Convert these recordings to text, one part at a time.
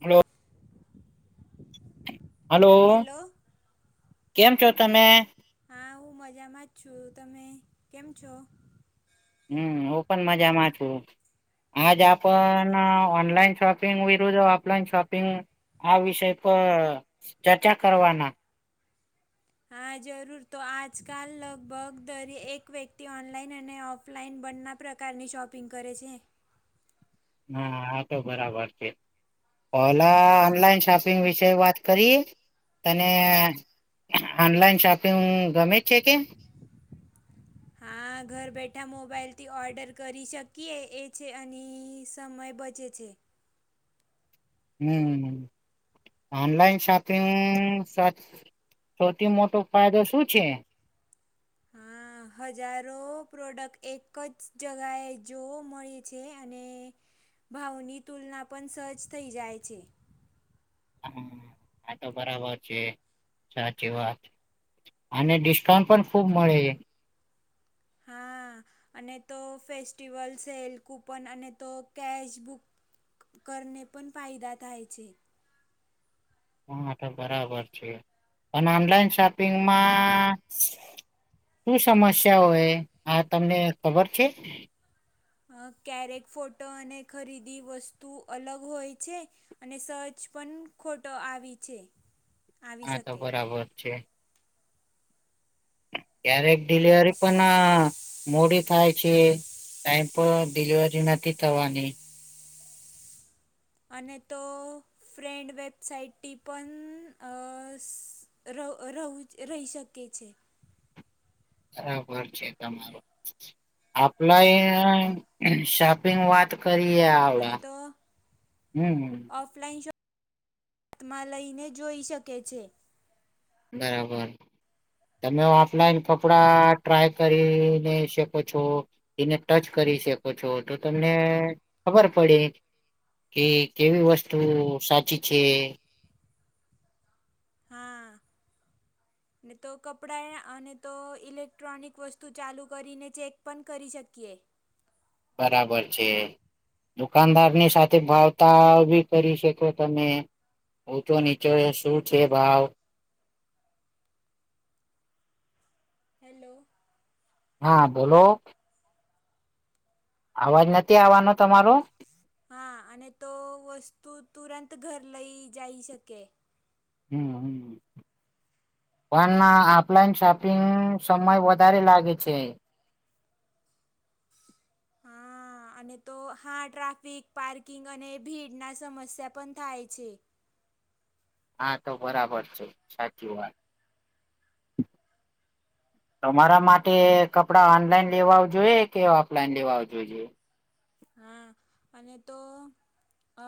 Hello. Hello hello કેમ છો તમે? હા હું મજામાં જ છું તમે કેમ છો. હમ ઓ પણ મજામાં છું આજ હમ. આપણ ઓનલાઈન શોપ. શપિંગ વિરુદ્ધ ઓફલાઈન શોપિંગ આ વિષય પર ચર્ચા કરવાના. હા જરૂર તો આજકાલ લગભગ દરે એક વ્યક્તિ ઓનલાઈન અને ઓફલાઈન બનના. પ્રકારની શોપિંગ કરે છે. હા આ તો બરાબર છે. ઓલા ઓનલાઈન શોપિંગ વિશે વાત કરીએ. તને ઓનલાઈન શોપિંગ ગમે જ છે કે. હા ઘર બેઠા મોબાઈલ થી ઓર્ડર કરી શકીએ એ છે અને સમય બચ. જે છે. હમ. ઓનલાઈન શોપિંગ સૌથી મોટો ફાયદો શું છે. હા. હજારો પ્રોડક્ટ એક જ જગાએ જોવા મળે છે અને. ભાવની તુલના પણ સજ થઈ જાય છે. હ આ તો બરાબર છે સાચી વાત. અને ડિસ્કાઉન્ટ પણ ખુબ મળે છે. હા. અને તો ફેસ્ટિવલ સેલ કૂપન અને તો કેશ બુક. કરને પણ ફાયદા થાય છે. હા તો બરાબર છે અને ઓનલાઈન શોપિંગમાં. શું સમસ્યા હોય આ તમને ખબર છે. અ ક્યારેક ફોટો અને ખરીદી વસ્તુ અલગ હોય છે. અને સહજ પણ ખોટો આવી છે. આવી હા તો શકે બરાબર છે. ક્યારેક ડીલિવરી પણ મોડી. થાય છે ટાઈમ પર ડિલિવરી નથી થવાની. અને તો. ફ્રેન્ડ વેબસાઇટથી પણ ર રહવું રહી શકે છે. બરાબર છે તમાર આપલા. વાત કરીએ અને આવડા હમ.. ઓફલાઇન શોપિંગ હાથમાં લઈને જોઈ શકે છે. બરાબર. તમે ઓફલાઈન કપડા ટ્રાય કરીને શકો છો. એને ટચ કરી શકો છો તો તમને ખબર પડી. કે કેવી વસ્તુ સાચી છે. હા. [inaudible] ને તો કપડાં અને તો ઇલેક્ટ્રોનિક વસ્તુ ચાલુ કરીને ચેક પણ કરી શકીએ. બરાબર છે દુકાનદારની સાથે ભાવ. ઉ તાવ ભી કરી શકો તમે ઊચો નીચો શું છે ભાવ. હેલો. હા બોલો. અવાજ નથી આવવાનો તમારો. હા અને તો વસ્તુ તુરંત ઘર લઈ જઈ શકે. હમ હમ. પણ ના ઓફલાઈન શોપિંગ સમય વધારે લાગે છે. હા અને તો હા ટ્રાફિક પાર્કિંગ અને ભીડના સમસ્યા પણ થાય છે. હા તો બરાબર છે સાચી વાત. તમારા માટે કપડા ઓનલાઈન લેવા જોઈએ કે ઓફલાઈન લેવા જોઈએ. હા અને તો. અ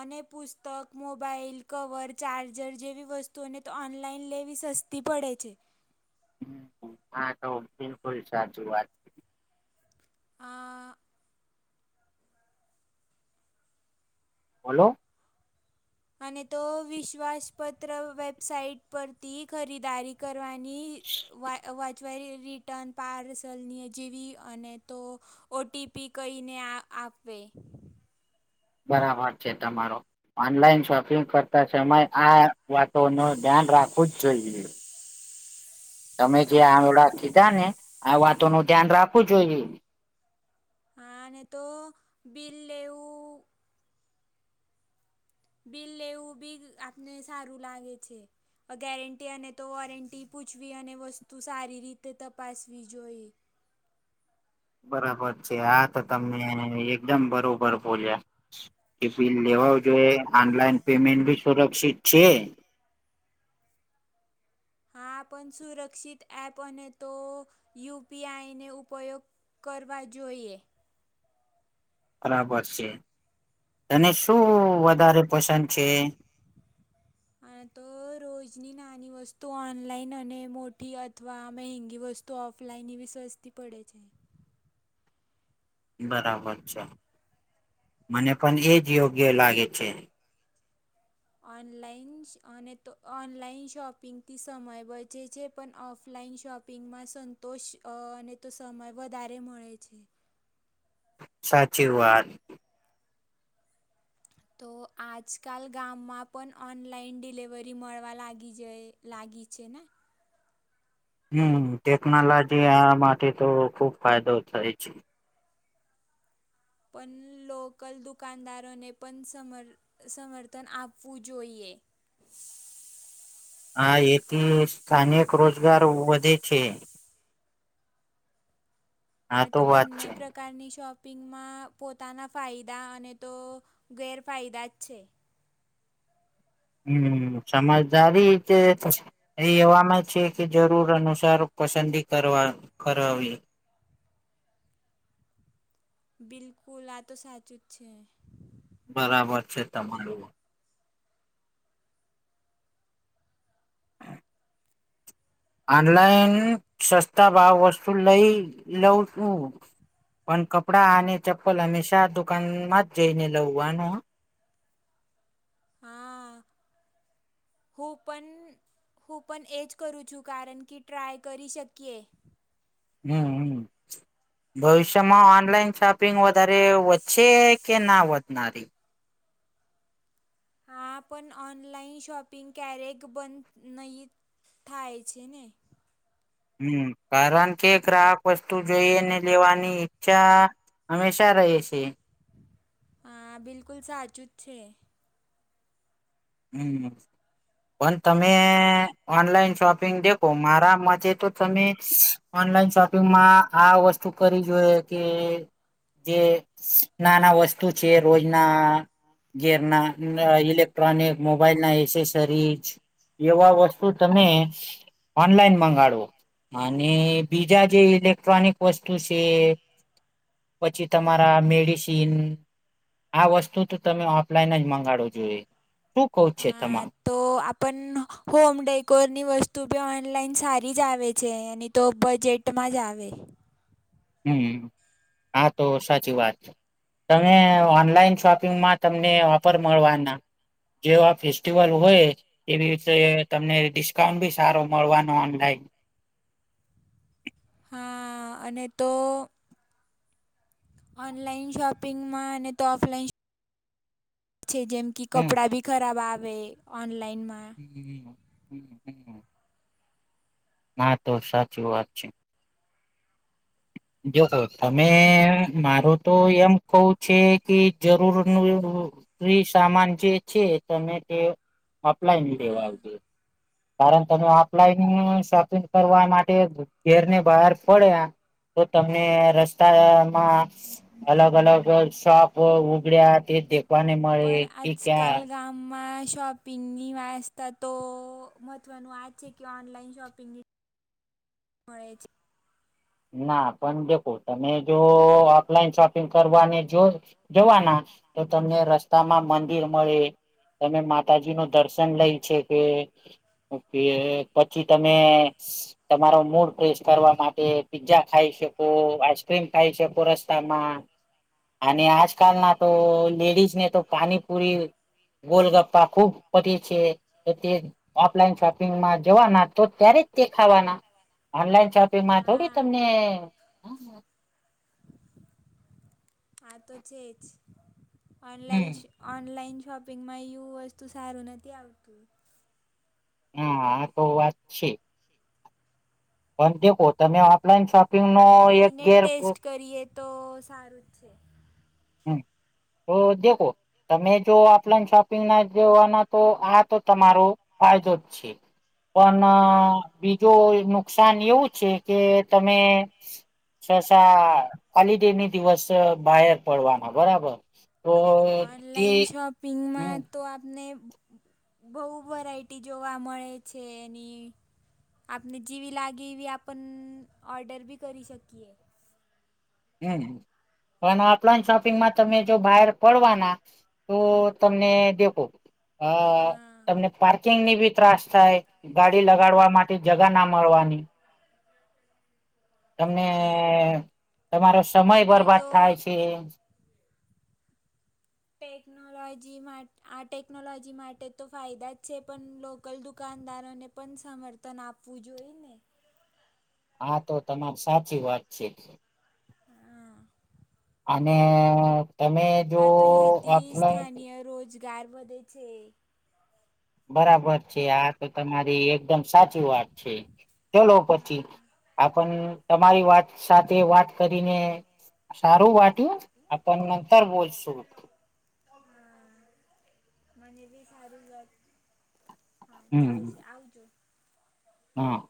અને પુસ્તક મોબાઈલ કવર ચાર્જર જેવી વસ્તુ. તો એને તો ઓનલાઈન લેવી સસ્તી પડે છે. હ હા તો બિલકુલ સાચું વાત. અ. બોલો. અને તો વિશ્વાસપત્ર વેબસાઇટ પરથી ખરીદારી. કરવાની વાવા. થવેરી રિટર્ન પાર્સલની જેવી અને તો. ઓટીપી કઈને આપે. બરાબર છે તમારો ઓનલાઈન શોપિંગ કરતા સમય આ. વાતો ન ધ્યાન રાખવુંજ જોઈએ. તમે જે આળ કીધા ને આ વાતો નું ધ્યાન રાખવું જોઈએ. આને તો બિલ લેવું. બિલ લેવું બીગ આપને સારું લાગે છે. ગેરંટી અને તો વોરંટી પૂછવી અને વસ્તુ સારી રીતે તપાસવી જોઈએ. બરાબર છે આા તો તમને એકદમ બરોબર બોલ્યા. એ બિલ લેવા જોઈએ ઓનલાઈન પેમેન્ટ ભી સુરક્ષિત છે. હા આપણ સુરક્ષિત એઍપ અને તો યુપીઆઈને ઉપયોગ. કરવા જોઈએ. બરાબર છે તને શું વધારે પસંદ. છે બ. હ તો રોજની નાની વસ્તુ ઓનલાઈન અને મોટી અથવા મહેંગી વસ્તુ. તો ઓફલાઈન વિ સ્વસ્તી પડે છે. બરાબર છે મને પણ એજ યોગ્ય લાગે છે. ઓનલાઈન અને તો ઓનલાઈન શોપિંગથી સમય બચે છે પણ ઓફલાઈન શોપિ. શપિંગમાં સંતોષ અને તો સમય વધારે મળે છે. સાચી વાત. તો આજકાલ ગામમાં પણ ઓનલાઈન ડિલિવરી મળવા લાગી જાય. લાગી છે ને. હમ ટેકનોલોજી આ માટે તો ખુબ ફાયદો થાય છે. પણ લોકલ દુકાનદારોને પણ સમર સમર્થન આપવું જોઈએ હા એથી સ્થાનિક રોજગાર વધે છે આ ને તો વાત બંને છે પ્ર પ્કારની શોપિંગમાં પોતાના ફાયદા અને તો ગેરફાયદા જ છે. હમ સમજદારી છે. એ એવામાં છે, કે જરૂર અનુસાર પસંદગી કરવા કરવી બિલકુલ આ તો સાચું જ છે. બરાબર છે, તમારું આનલાઈન સસ્તા ભાવ વસ્તુ લઈ લઉં છું. પન કપડાં અને ચપ્પલ હંમેશા દુકાનમાં જ જઈને લવવાનું હા હું પન હું પન એ જ કરું છું કારણ કે ટ્રાય કરી શકીએ હમ હ ભવિષ્યમાં ઓનલાઈન શો પિગ વધારે વધશે કે ના વધનારી? હા પન ઓનલાઈન શોપિંગ ક્યારેક બંધ નહી થાય છે, ને હમ કારણ કે ગ્રાહક વસ્તુ જોઈને લેવાની ઈચ્છા હંમેશા રહીએ છીએ હા બિલકુલ સાચું જ છે. હમ. પન તમે ઓનલાઈન શોપિંગ દેખો મારા મતે તો તમે ઓનલાઈન શોપિંગમાં આ વસ્તુ કરવી જોઈએ કે જે નાના વસ્તુ છે, રોજના ગીરના ઇલેક્ટ્રોનિક મોબાઈલ ના એસેસરીજ એવા વસ્તુ તમે ઓનલાઈન મંગાડવો માને બીજા જે ઇલેક્ટ્રોનિક વસ્તુ છે. પછી તમારા મેડિસીન આ વસ્તુ તો તમે ઓફલાઈન જ મંગાડો જોઈએ શું કવ છે, હા તમા તો આપન હોમ ડેકોરની વસ્તુ બી ઓનલાઈન સારી જ આવે છે, એની તો બજે ટમાં જ આવે હમ આ તો સાચી વાત છે. તમે ઓનલાઈન શોપિંગમાં તમને ઓફર મળવાના જેવા ફેસ્ટિવલ હોય એવી વિશે તમને ડિસ્કાઉન્ટ ભી સારો મળવાનો ઓનલાઈન હા અને તો ઓનલાઈન શોપિંગમાં અને તો ઓફલાઈન છે, જેમ કી હમ કપડા બી ખરાબ આવેે ઓનલાઈનમાં હમ હમ હમ. ના તો સાચી વાત છે. જોસો તમે મારો તો એમ કવું છે, કે જરૂર [unintelligible] ફ્રી સામાન જે છે, તમે તે ઓપલાઈન લેવા હા આવજો કારણ તમે ઓફલાઈન શોપિંગ કરવા માટે ઘેરને બહાર પડે તો તમને રસ્તામાં અલગ અલગ શોપ ઉગડ્યા તે દે પર આજકાલ ગામમાં શો પીની વાસ્તા તો મહત્વનું આ જ છે કે ઓનલાઈન શોપિંગની મળે છ ના પણ દેખો તમે જો ઓલાઈન શોપિંગ કરવાને જો જવાના તો તમને રસ્તામાં મંદિર મળે તમે માતાજી નું દર્શન લઈ છે, કે ઓકે પછી તમે તમારો મૂડ ફ્રેશ કરવા માટે પીઝા ખાઈ શકો આઈસ્ક્રીમ ખાઈ શકો રસ્તામાં અને આ કાલ ના તો લેડીઝ ને તો પાની પૂરી ગોલગપ્પા ખુબ પટે છે, તો તે ઓફલાઈન શોપિંગમાં જવાના તો ત્યારે તે ખાવાના ઓનલાઈન શોપિંગમાં થોડી હા તમને હહ આ તો છે જ હમ ઓનલાઈન ઓનલાઈન શોપિંગમાં યુ વસ્તુ સારું નથી આવતું. હહ આ તો વાત છે. પન તે પોતાને ઓફલાઈન શોપિંગનો આ એક જઈને કેર ટેસ્ટ પ્રૂફ કરીએ તો સારું જ છે. હમ તો દેખો તમે જો ઓફલાઈન શોપિંગના જવાના તો આ તો તમારો ફાયદો જ છે. પન બીજો નુકસાન એવું છે. કે તમે છ સા હોલિડેની દિવસ બાયર પડવાના બરાબર? તો તે ઓનલાઈન હમ શોપિંગમાં તો આપને બહુ વરાયટી જોવા મળે છે એની આપને જેવી લાગે એવી આપન ઓર્ડર બી કરી શકીએ. હમ હમ પન ઓફલાઈન શોપિંગમાં તમે જો બાયર પડવાના તો તમને દેખો અ હા તમને પાર્કિંગની બી ત્રાસ થાય, ગાડી લગાડવા માટે જગા ના મળવાની. તમને હા તમારો સમય એ બરબાદ તો થાય છે. ટેકનોલોજી માં આ ટેકનોલોજી માટે તો ફાયદા જ છે પણ લોકલ દુકાનદારોને પન સમર્થન આપવું જોઈએ ને? હા તો તમાર સાચી વાત છે. હા અને તમે જો આ તો ઈ હતી ઓફલાઈન સ્થાનીય રોજગાર વધે છે. બરાબર છે આ તો તમારી એકદમ સાચી વાત છે. ચલો પછી હા આપન તમારી વાત સાથે વાત કરીને સારું વાટ્યું આપન અંતર બોજસુ. હા મને બી સારું વાત હા હમ ચાલસે આવજો. હા